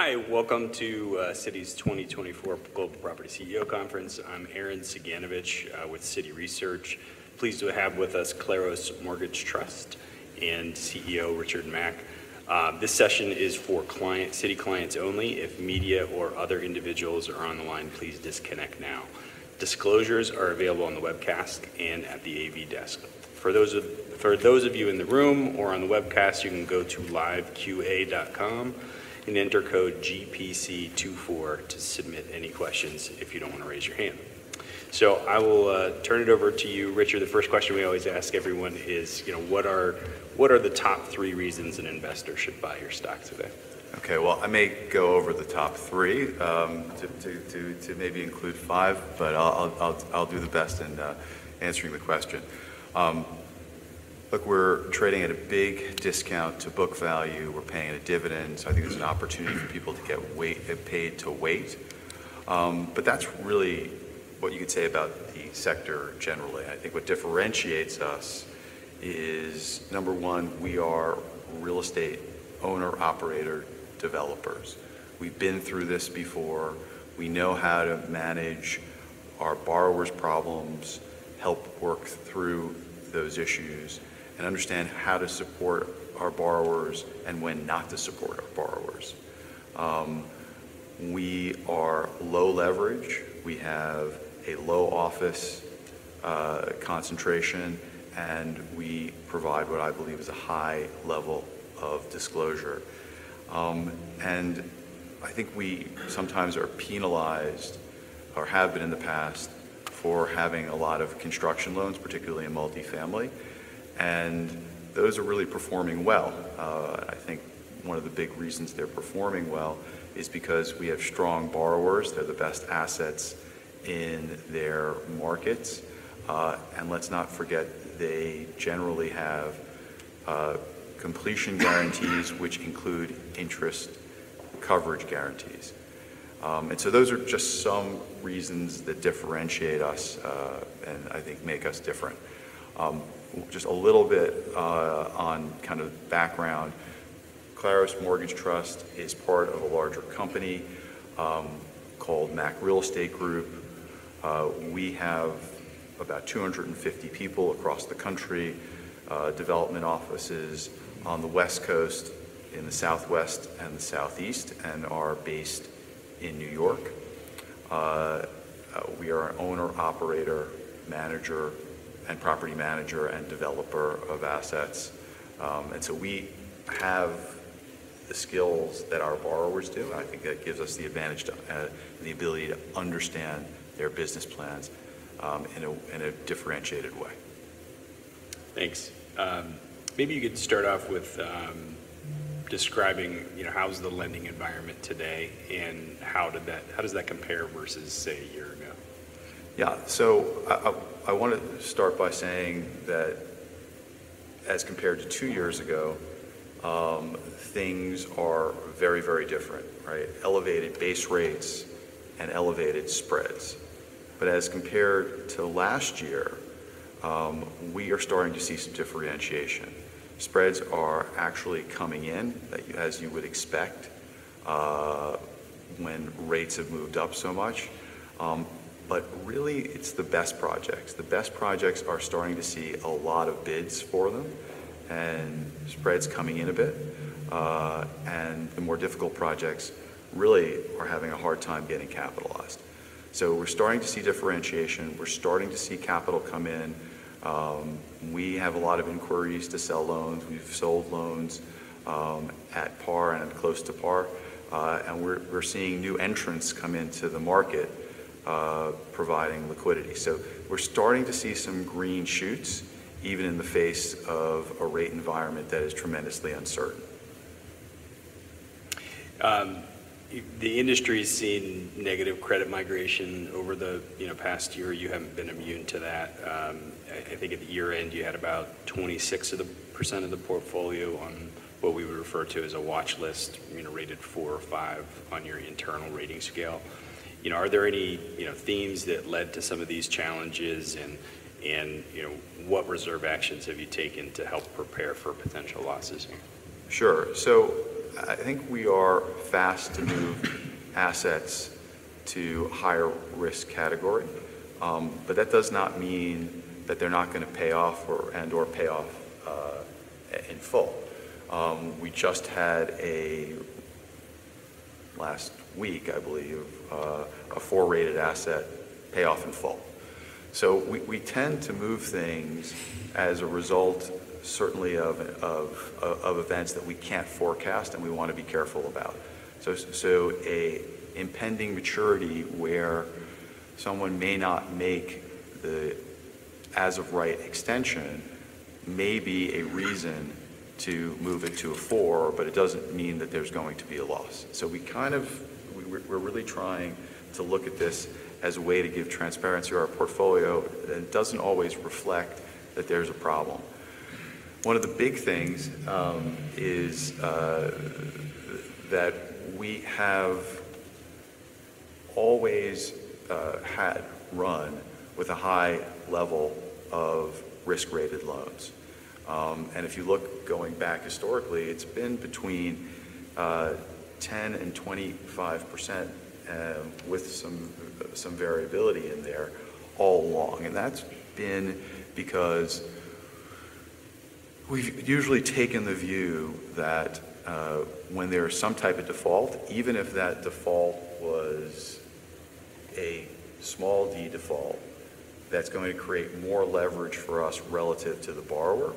Hi, welcome to Citi's 2024 Global Property CEO Conference. I'm Arren Cyganovich, with Citi Research. Pleased to have with us Claros Mortgage Trust and CEO Richard Mack. This session is for client Citi clients only. If media or other individuals are on the line, please disconnect now. Disclosures are available on the webcast and at the AV desk. For those of you in the room or on the webcast, you can go to liveqa.com and enter code GPC24 to submit any questions if you don't wanna raise your hand. So I will turn it over to you, Richard. The first question we always ask everyone is, you know, what are the top three reasons an investor should buy your stock today? Okay, well, I may go over the top three to maybe include five, but I'll do the best answering the question. Look, we're trading at a big discount to book value. We're paying a dividend. So I think it's an opportunity for people to get paid to wait. But that's really what you could say about the sector generally. I think what differentiates us is, number one, we are real estate owner-operator developers. We've been through this before. We know how to manage our borrowers' problems, help work through those issues, and understand how to support our borrowers and when not to support our borrowers. We are low leverage. We have a low office concentration, and we provide what I believe is a high level of disclosure. I think we sometimes are penalized or have been in the past for having a lot of construction loans, particularly in multifamily. Those are really performing well. I think one of the big reasons they're performing well is because we have strong borrowers. They're the best assets in their markets. Let's not forget, they generally have completion guarantees, which include interest coverage guarantees. So those are just some reasons that differentiate us, and I think make us different. Just a little bit, on kind of background, Claros Mortgage Trust is part of a larger company, called Mack Real Estate Group. We have about 250 people across the country, development offices on the West Coast, in the Southwest, and the Southeast, and are based in New York. We are an owner-operator, manager, and property manager and developer of assets. So we have the skills that our borrowers do. I think that gives us the advantage to, the ability to understand their business plans in a differentiated way. Thanks. Maybe you could start off with describing, you know, how's the lending environment today, and how does that compare versus, say, a year ago? Yeah, so I wanna start by saying that as compared to 2 years ago, things are very, very different, right? Elevated base rates and elevated spreads. But as compared to last year, we are starting to see some differentiation. Spreads are actually coming in that you as you would expect, when rates have moved up so much. But really, it's the best projects. The best projects are starting to see a lot of bids for them and spreads coming in a bit. And the more difficult projects really are having a hard time getting capitalized. So we're starting to see differentiation. We're starting to see capital come in. We have a lot of inquiries to sell loans. We've sold loans, at par and close to par. And we're seeing new entrants come into the market, providing liquidity. So we're starting to see some green shoots, even in the face of a rate environment that is tremendously uncertain. The industry's seen negative credit migration over the, you know, past year. You haven't been immune to that. I, I think at the year-end, you had about 26% of the portfolio on what we would refer to as a watchlist, you know, rated four or five on your internal rating scale. You know, are there any, you know, themes that led to some of these challenges, and, and, you know, what reserve actions have you taken to help prepare for potential losses here? Sure. So I think we are fast to move assets to higher-risk category. But that does not mean that they're not gonna pay off or and/or pay off in full. We just had, last week, I believe, a four-rated asset payoff in full. So we tend to move things as a result, certainly, of events that we can't forecast and we wanna be careful about. So an impending maturity where someone may not make the as-of-right extension may be a reason to move it to a four, but it doesn't mean that there's going to be a loss. So, kind of, we're really trying to look at this as a way to give transparency to our portfolio that doesn't always reflect that there's a problem. One of the big things is that we have always had run with a high level of risk-rated loans. And if you look going back historically, it's been between 10%-25%, with some variability in there all along. And that's been because we've usually taken the view that, when there's some type of default, even if that default was a small default, that's going to create more leverage for us relative to the borrower.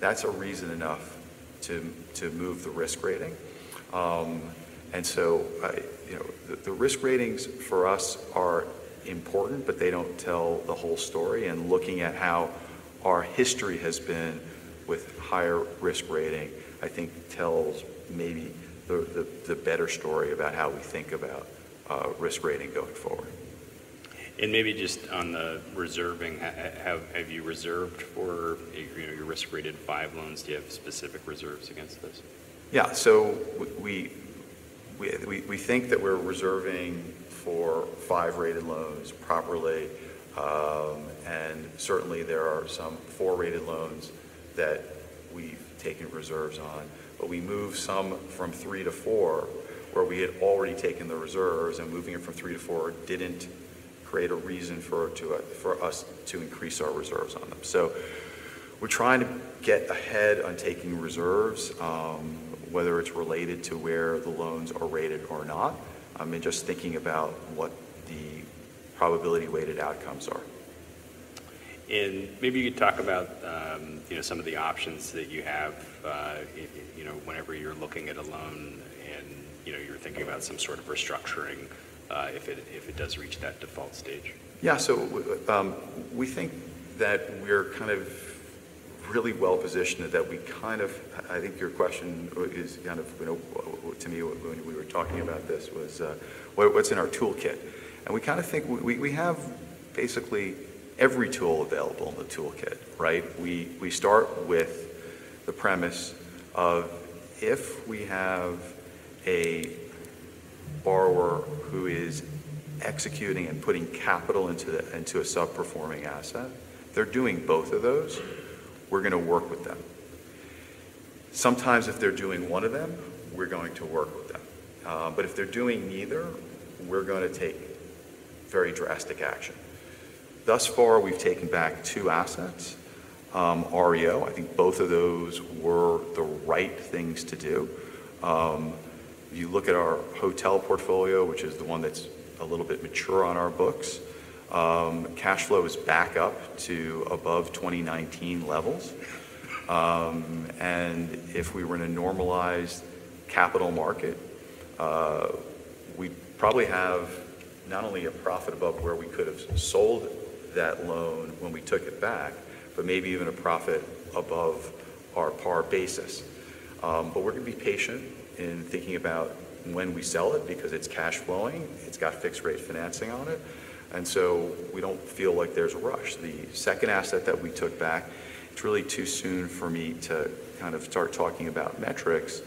That's a reason enough to move the risk rating. And so I, you know, the risk ratings for us are important, but they don't tell the whole story. And looking at how our history has been with higher risk rating, I think tells maybe the better story about how we think about risk rating going forward. Maybe just on the reserving, have you reserved for, you know, your risk-rated 5 loans? Do you have specific reserves against this? Yeah, so we think that we're reserving for five-rated loans properly. And certainly, there are some four-rated loans that we've taken reserves on. But we moved some from three to four where we had already taken the reserves, and moving it from three to four didn't create a reason for us to increase our reserves on them. So we're trying to get ahead on taking reserves, whether it's related to where the loans are rated or not, and just thinking about what the probability-weighted outcomes are. Maybe you could talk about, you know, some of the options that you have, you know, whenever you're looking at a loan and, you know, you're thinking about some sort of restructuring, if it does reach that default stage. Yeah, so, we think that we're kind of really well-positioned that we kind of I think your question is kind of, you know, what to me, when we were talking about this, was, what's in our toolkit. And we kinda think we have basically every tool available in the toolkit, right? We start with the premise of if we have a borrower who is executing and putting capital into the into a subperforming asset, they're doing both of those, we're gonna work with them. Sometimes if they're doing one of them, we're going to work with them. But if they're doing neither, we're gonna take very drastic action. Thus far, we've taken back two assets. REO, I think both of those were the right things to do. If you look at our hotel portfolio, which is the one that's a little bit mature on our books, cash flow is back up to above 2019 levels. And if we were in a normalized capital market, we'd probably have not only a profit above where we could have sold that loan when we took it back, but maybe even a profit above our par basis. But we're gonna be patient in thinking about when we sell it because it's cash flowing. It's got fixed-rate financing on it. And so we don't feel like there's a rush. The second asset that we took back, it's really too soon for me to kind of start talking about metrics,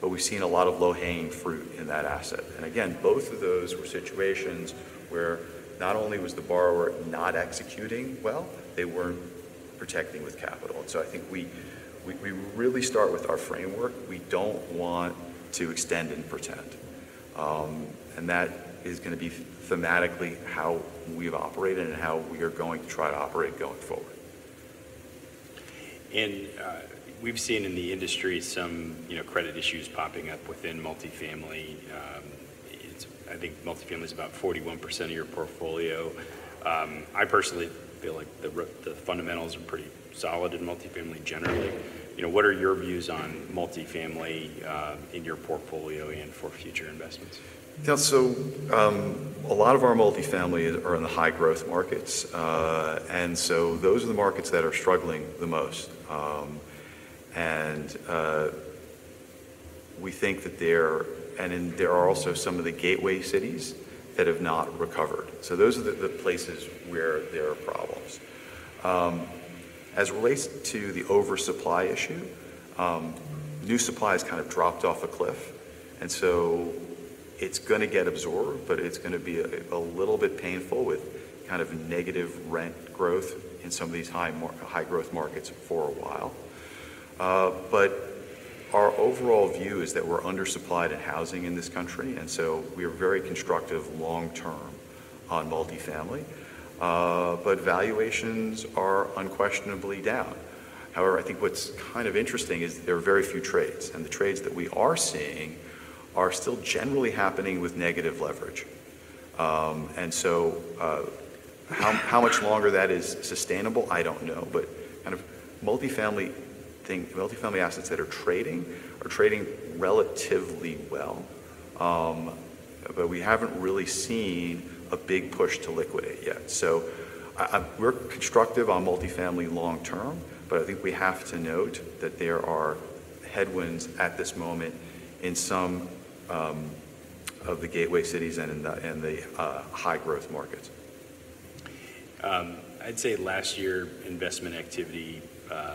but we've seen a lot of low-hanging fruit in that asset. And again, both of those were situations where not only was the borrower not executing well, they weren't protecting with capital. And so I think we really start with our framework. We don't want to extend and pretend. And that is gonna be thematically how we've operated and how we are going to try to operate going forward. We've seen in the industry some, you know, credit issues popping up within multifamily. It's, I think, multifamily's about 41% of your portfolio. I personally feel like the fundamentals are pretty solid in multifamily generally. You know, what are your views on multifamily, in your portfolio and for future investments? Yeah, so a lot of our multifamily are in the high-growth markets. So those are the markets that are struggling the most. We think that they're, and then there are also some of the gateway cities that have not recovered. So those are the places where there are problems. As it relates to the oversupply issue, new supply has kind of dropped off a cliff. And so it's gonna get absorbed, but it's gonna be a little bit painful with kind of negative rent growth in some of these high-growth markets for a while. But our overall view is that we're undersupplied in housing in this country. And so we are very constructive long-term on multifamily. But valuations are unquestionably down. However, I think what's kind of interesting is there are very few trades. The trades that we are seeing are still generally happening with negative leverage. So, how much longer that is sustainable, I don't know. Kind of multifamily thing multifamily assets that are trading are trading relatively well. We haven't really seen a big push to liquidate yet. I, I we're constructive on multifamily long-term, but I think we have to note that there are headwinds at this moment in some of the gateway cities and in the high-growth markets. I'd say last year, investment activity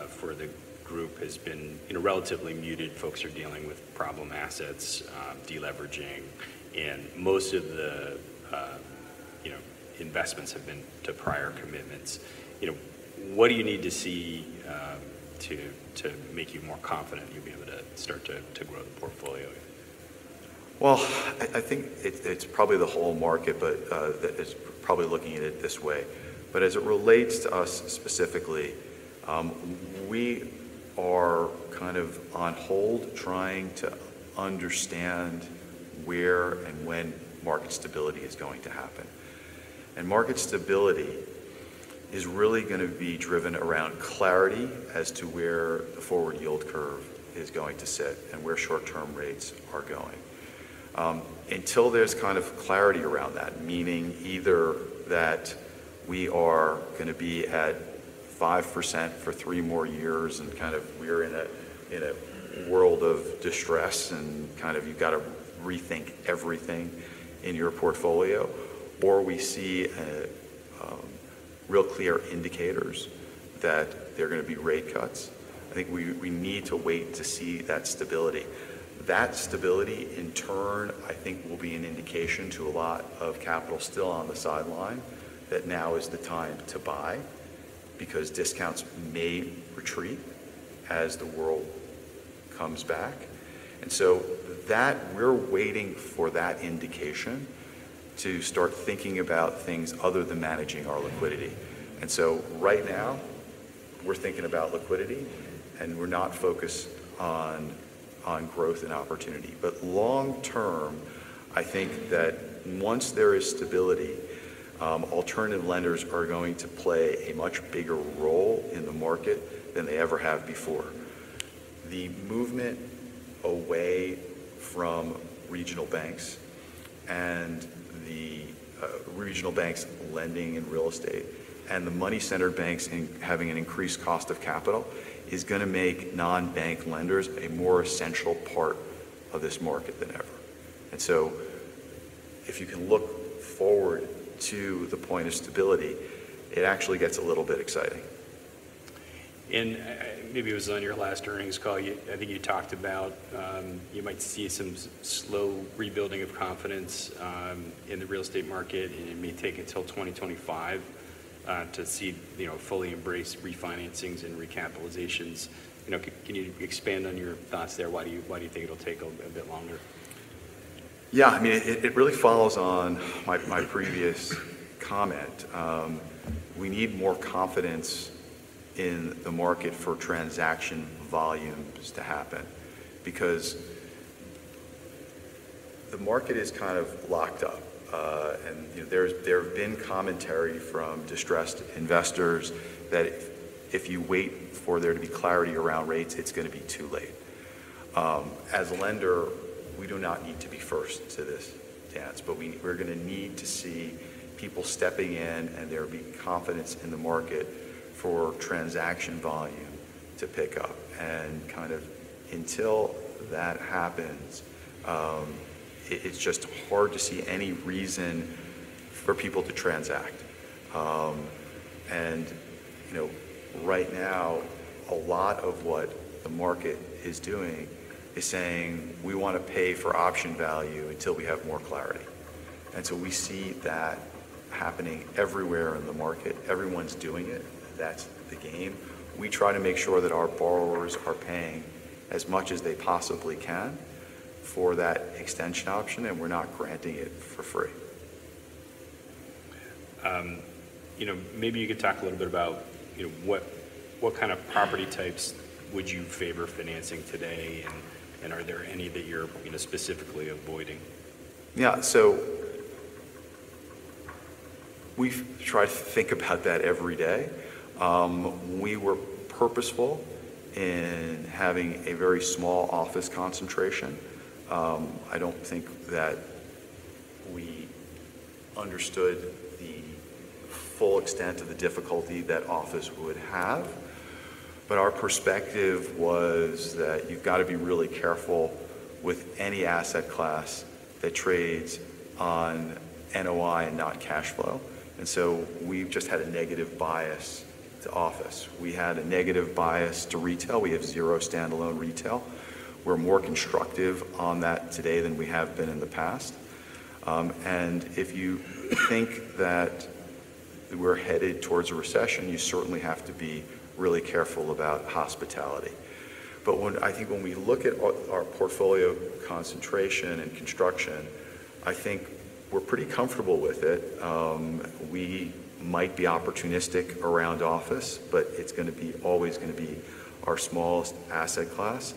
for the group has been, you know, relatively muted. Folks are dealing with problem assets, deleveraging. Most of the, you know, investments have been to prior commitments. You know, what do you need to see to make you more confident you'll be able to start to grow the portfolio? Well, I think it's probably the whole market, but that is probably looking at it this way. But as it relates to us specifically, we are kind of on hold trying to understand where and when market stability is going to happen. And market stability is really gonna be driven around clarity as to where the forward yield curve is going to sit and where short-term rates are going. Until there's kind of clarity around that, meaning either that we are gonna be at 5% for three more years and kind of we're in a world of distress and kind of you gotta rethink everything in your portfolio, or we see real clear indicators that there are gonna be rate cuts, I think we need to wait to see that stability. That stability, in turn, I think will be an indication to a lot of capital still on the sideline that now is the time to buy because discounts may retreat as the world comes back. And so that we're waiting for that indication to start thinking about things other than managing our liquidity. And so right now, we're thinking about liquidity, and we're not focused on growth and opportunity. But long-term, I think that once there is stability, alternative lenders are going to play a much bigger role in the market than they ever have before. The movement away from regional banks and the regional banks lending in real estate and the money center banks in having an increased cost of capital is gonna make non-bank lenders a more central part of this market than ever. And so if you can look forward to the point of stability, it actually gets a little bit exciting. Maybe it was on your last earnings call. You, I think, you talked about, you might see some slow rebuilding of confidence in the real estate market, and it may take until 2025 to see, you know, fully embrace refinancings and recapitalizations. You know, can you expand on your thoughts there? Why do you, why do you think it'll take a bit longer? Yeah, I mean, it really follows on my previous comment. We need more confidence in the market for transaction volumes to happen because the market is kind of locked up. And, you know, there have been commentary from distressed investors that if you wait for there to be clarity around rates, it's gonna be too late. As a lender, we do not need to be first to this dance, but we're gonna need to see people stepping in, and there'll be confidence in the market for transaction volume to pick up. And kind of until that happens, it's just hard to see any reason for people to transact. And, you know, right now, a lot of what the market is doing is saying, "We wanna pay for option value until we have more clarity." And so we see that happening everywhere in the market. Everyone's doing it. That's the game. We try to make sure that our borrowers are paying as much as they possibly can for that extension option, and we're not granting it for free. You know, maybe you could talk a little bit about, you know, what, what kind of property types would you favor financing today, and, and are there any that you're, you know, specifically avoiding? Yeah, so we've tried to think about that every day. We were purposeful in having a very small office concentration. I don't think that we understood the full extent of the difficulty that office would have. But our perspective was that you've gotta be really careful with any asset class that trades on NOI and not cash flow. And so we've just had a negative bias to office. We had a negative bias to retail. We have zero standalone retail. We're more constructive on that today than we have been in the past. And if you think that we're headed towards a recession, you certainly have to be really careful about hospitality. But when I think when we look at our, our portfolio concentration and construction, I think we're pretty comfortable with it. We might be opportunistic around office, but it's gonna be always gonna be our smallest asset class.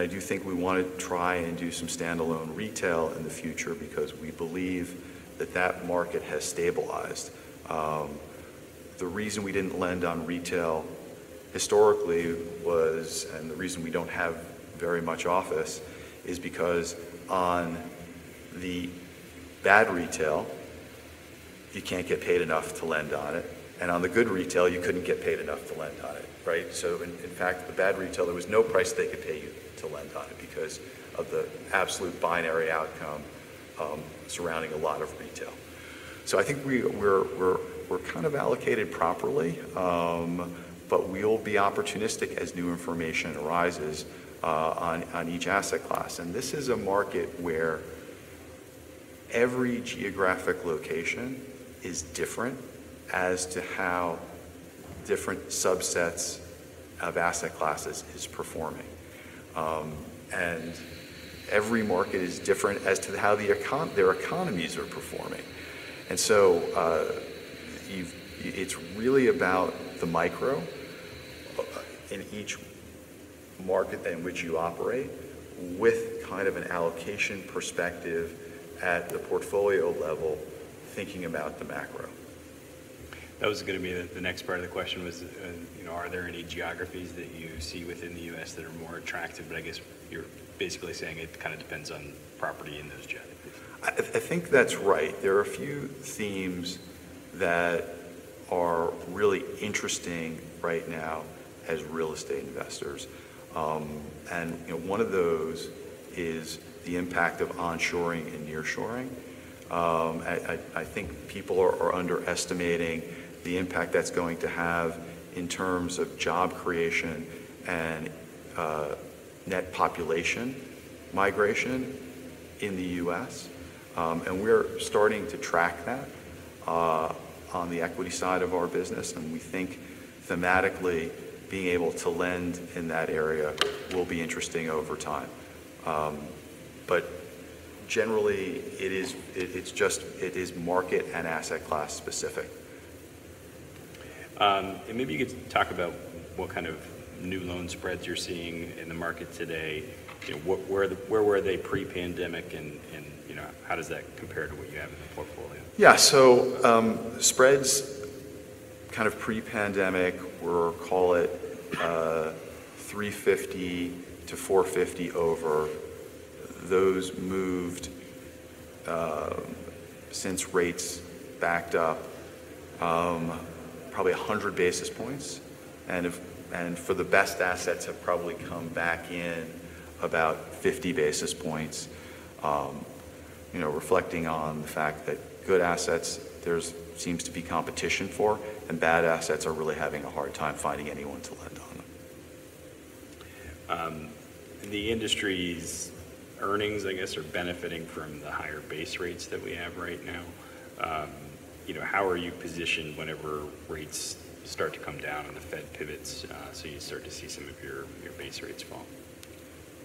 I do think we wanna try and do some standalone retail in the future because we believe that that market has stabilized. The reason we didn't lend on retail historically was and the reason we don't have very much office is because on the bad retail, you can't get paid enough to lend on it. And on the good retail, you couldn't get paid enough to lend on it, right? So in fact, the bad retail, there was no price they could pay you to lend on it because of the absolute binary outcome surrounding a lot of retail. So I think we're kind of allocated properly, but we'll be opportunistic as new information arises on each asset class. And this is a market where every geographic location is different as to how different subsets of asset classes is performing. Every market is different as to how they account their economies are performing. And so, it's really about the micro in each market in which you operate with kind of an allocation perspective at the portfolio level, thinking about the macro. That was gonna be the next part of the question was, you know, are there any geographies that you see within the U.S. that are more attractive? But I guess you're basically saying it kind of depends on property in those geographies. I think that's right. There are a few themes that are really interesting right now as real estate investors. You know, one of those is the impact of onshoring and nearshoring. I think people are underestimating the impact that's going to have in terms of job creation and net population migration in the U.S. We're starting to track that on the equity side of our business. We think thematically, being able to lend in that area will be interesting over time. Generally, it's just market and asset class specific. Maybe you could talk about what kind of new loan spreads you're seeing in the market today. You know, what were they pre-pandemic, and, you know, how does that compare to what you have in the portfolio? Yeah, so, spreads kind of pre-pandemic, or call it, 350-450 over, those moved, since rates backed up, probably 100 basis points. And if and for the best assets have probably come back in about 50 basis points, you know, reflecting on the fact that good assets, there's seems to be competition for, and bad assets are really having a hard time finding anyone to lend on them. The industry's earnings, I guess, are benefiting from the higher base rates that we have right now. You know, how are you positioned whenever rates start to come down and the Fed pivots, so you start to see some of your, your base rates fall?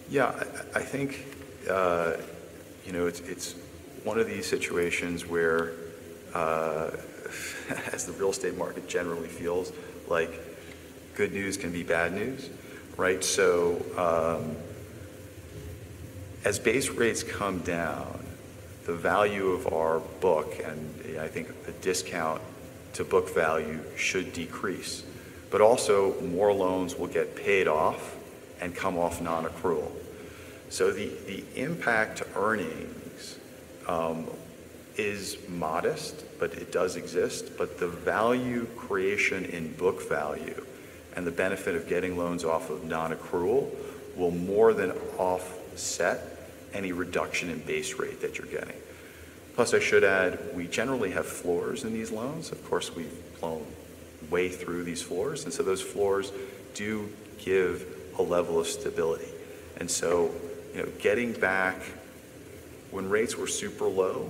Yeah, I think, you know, it's one of these situations where, as the real estate market generally feels, like, good news can be bad news, right? So, as base rates come down, the value of our book and, I think, the discount to book value should decrease. But also, more loans will get paid off and come off non-accrual. So the impact to earnings is modest, but it does exist. But the value creation in book value and the benefit of getting loans off of non-accrual will more than offset any reduction in base rate that you're getting. Plus, I should add, we generally have floors in these loans. Of course, we've blown way through these floors. And so those floors do give a level of stability. And so, you know, getting back when rates were super low,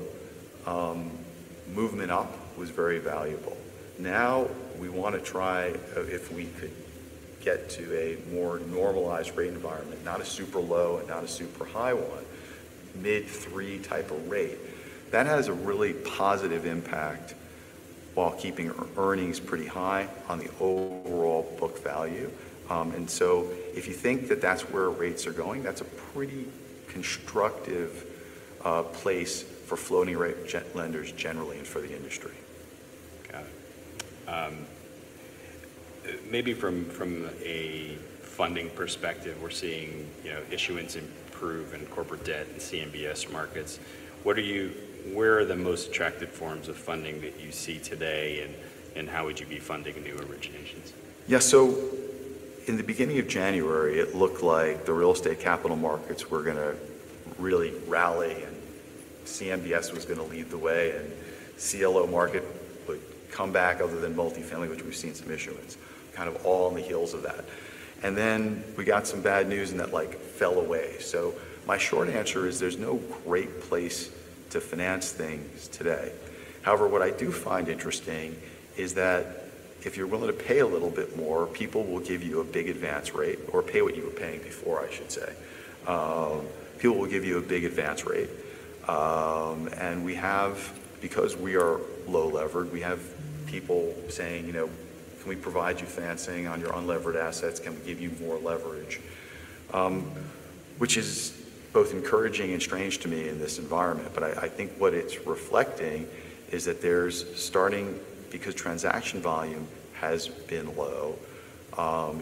movement up was very valuable. Now, we wanna try if we could get to a more normalized rate environment, not a super low and not a super high one, mid-three type of rate, that has a really positive impact while keeping earnings pretty high on the overall book value. And so if you think that that's where rates are going, that's a pretty constructive place for floating rate gen lenders generally and for the industry. Got it. Maybe from a funding perspective, we're seeing, you know, issuance improve and corporate debt and CMBS markets. What, where are the most attractive forms of funding that you see today, and how would you be funding new originations? Yeah, so in the beginning of January, it looked like the real estate capital markets were gonna really rally, and CMBS was gonna lead the way, and CLO market would come back other than multifamily, which we've seen some issuance, kind of all on the heels of that. And then we got some bad news and that, like, fell away. So my short answer is there's no great place to finance things today. However, what I do find interesting is that if you're willing to pay a little bit more, people will give you a big advance rate or pay what you were paying before, I should say. People will give you a big advance rate. And we have, because we are low-levered, we have people saying, you know, "Can we provide you financing on your unlevered assets? Can we give you more leverage?" which is both encouraging and strange to me in this environment. But I think what it's reflecting is that there's starting because transaction volume has been low,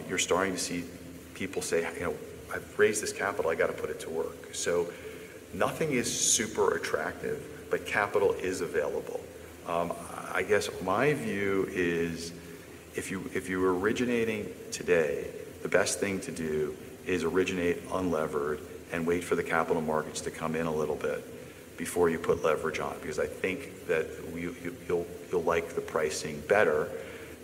you're starting to see people say, you know, "I've raised this capital. I gotta put it to work." So nothing is super attractive, but capital is available. I guess my view is if you're originating today, the best thing to do is originate unlevered and wait for the capital markets to come in a little bit before you put leverage on it because I think that you'll like the pricing better.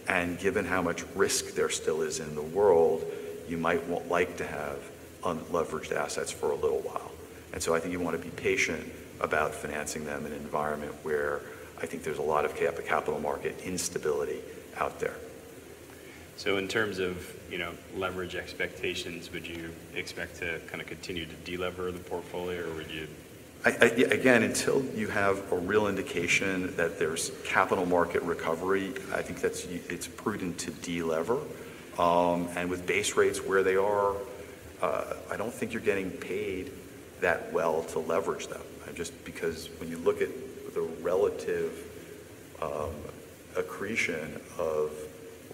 And given how much risk there still is in the world, you might want like to have unleveraged assets for a little while. So I think you wanna be patient about financing them in an environment where I think there's a lot of chaotic capital market instability out there. In terms of, you know, leverage expectations, would you expect to kinda continue to delever the portfolio, or would you? I agree, until you have a real indication that there's capital market recovery, I think that it's prudent to delever. And with base rates where they are, I don't think you're getting paid that well to leverage them. It's just because when you look at the relative accretion of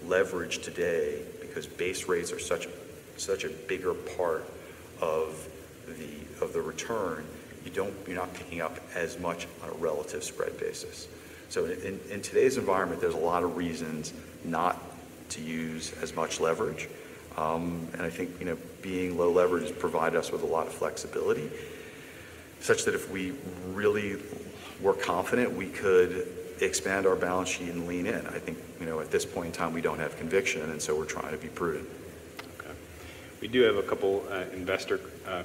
leverage today because base rates are such a bigger part of the return, you're not picking up as much on a relative spread basis. So in today's environment, there's a lot of reasons not to use as much leverage. And I think, you know, being low-leverage has provided us with a lot of flexibility such that if we really were confident, we could expand our balance sheet and lean in. I think, you know, at this point in time, we don't have conviction, and so we're trying to be prudent. Okay. We do have a couple investor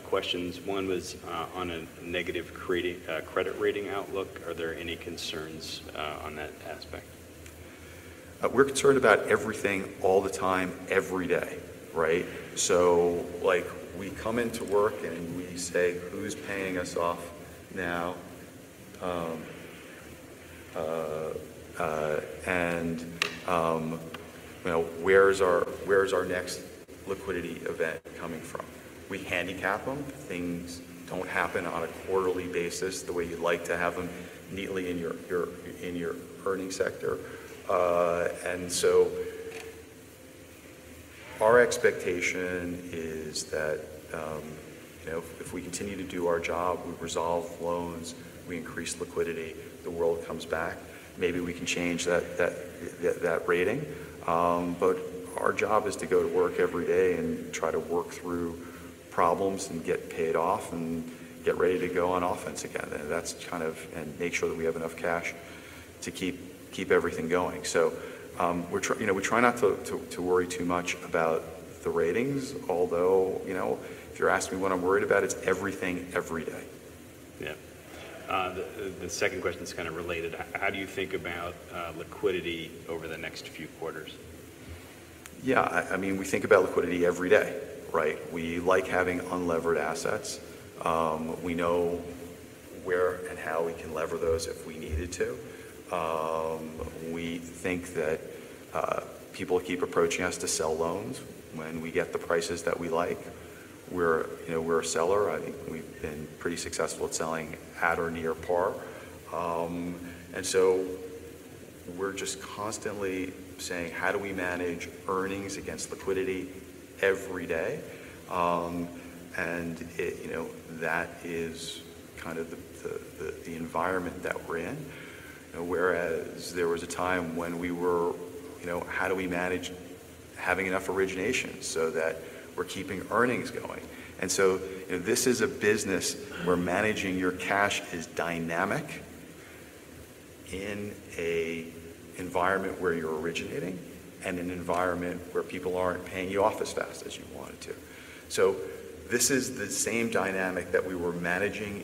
questions. One was on a negative credit rating outlook. Are there any concerns on that aspect? We're concerned about everything all the time, every day, right? So, like, we come into work, and we say, "Who's paying us off now?" and, you know, "Where's our where's our next liquidity event coming from?" We handicap them. Things don't happen on a quarterly basis the way you'd like to have them neatly in your, your in your earning sector. And so our expectation is that, you know, if we continue to do our job, we resolve loans, we increase liquidity, the world comes back. Maybe we can change that, that, that, that rating. But our job is to go to work every day and try to work through problems and get paid off and get ready to go on offense again. And that's kind of and make sure that we have enough cash to keep, keep everything going. So, we're trying, you know, we try not to worry too much about the ratings, although, you know, if you're asking me what I'm worried about, it's everything every day. Yeah. The second question's kinda related. How do you think about liquidity over the next few quarters? Yeah, I mean, we think about liquidity every day, right? We like having unlevered assets. We know where and how we can lever those if we needed to. We think that people keep approaching us to sell loans when we get the prices that we like. We're, you know, we're a seller. I think we've been pretty successful at selling at or near par. And so we're just constantly saying, "How do we manage earnings against liquidity every day?" And it, you know, that is kind of the environment that we're in. You know, whereas there was a time when we were, you know, "How do we manage having enough origination so that we're keeping earnings going?" And so, you know, this is a business where managing your cash is dynamic in an environment where you're originating and an environment where people aren't paying you off as fast as you wanted to. So this is the same dynamic that we were managing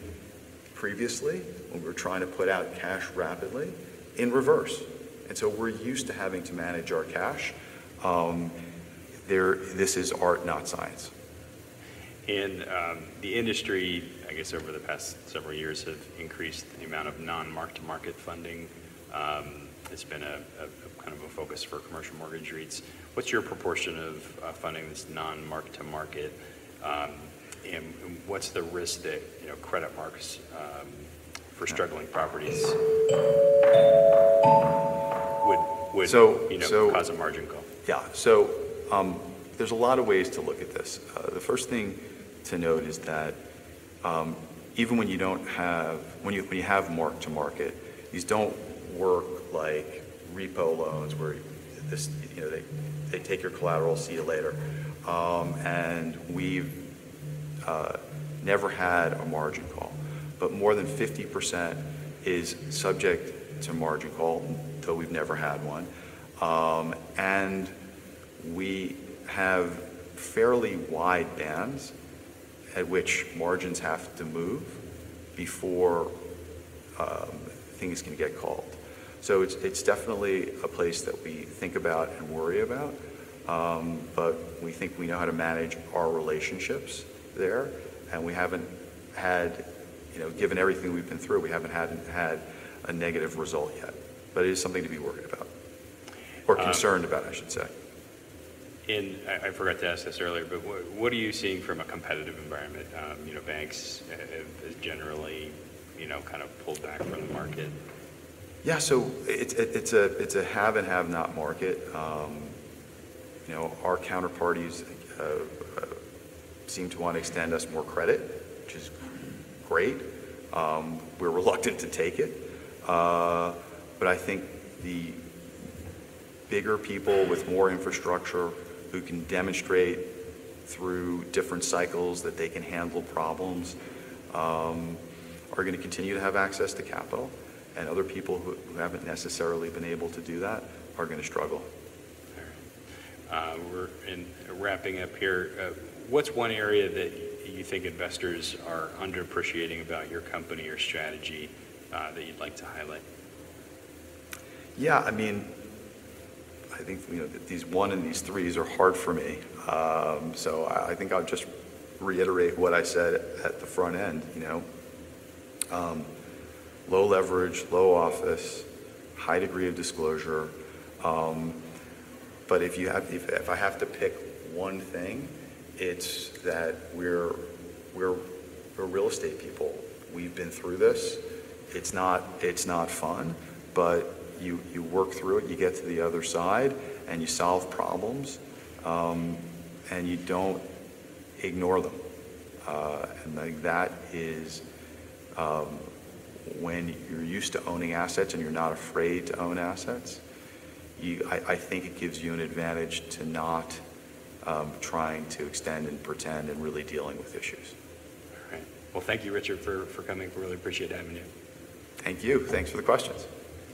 previously when we were trying to put out cash rapidly in reverse. And so we're used to having to manage our cash. Therefore, this is art, not science. The industry, I guess, over the past several years have increased the amount of non-mark-to-market funding. It's been a kind of a focus for commercial mortgage REITs. What's your proportion of funding that's non-mark-to-market? And what's the risk that, you know, credit marks for struggling properties would, you know, cause a margin call? So, yeah. So, there's a lot of ways to look at this. The first thing to note is that, even when you have mark-to-market, these don't work like repo loans where, you know, they take your collateral, see you later. And we've never had a margin call. But more than 50% is subject to margin call, though we've never had one. And we have fairly wide bands at which margins have to move before things can get called. So it's definitely a place that we think about and worry about. But we think we know how to manage our relationships there. And we haven't had, you know, given everything we've been through, we haven't had a negative result yet. But it is something to be worried about or concerned about, I should say. I forgot to ask this earlier, but what are you seeing from a competitive environment? You know, banks have generally, you know, kinda pulled back from the market? Yeah, so it's a have-and-have-not market. You know, our counterparties seem to wanna extend us more credit, which is great. We're reluctant to take it. But I think the bigger people with more infrastructure who can demonstrate through different cycles that they can handle problems are gonna continue to have access to capital. And other people who haven't necessarily been able to do that are gonna struggle. All right. We're wrapping up here. What's one area that you think investors are underappreciating about your company or strategy, that you'd like to highlight? Yeah, I mean, I think, you know, these 1 and these 3s are hard for me. So I think I'll just reiterate what I said at the front end, you know. Low leverage, low office, high degree of disclosure. But if I have to pick one thing, it's that we're real estate people. We've been through this. It's not fun. But you work through it. You get to the other side, and you solve problems. And you don't ignore them. And I think that is, when you're used to owning assets and you're not afraid to own assets, I think it gives you an advantage to not trying to extend and pretend and really dealing with issues. All right. Well, thank you, Richard, for coming. We really appreciate having you. Thank you. Thanks for the questions.